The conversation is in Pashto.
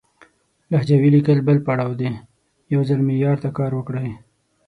لهجوي ليکل بل پړاو دی، يو ځل معيار ته کار وکړئ!